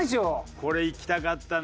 これいきたかったな。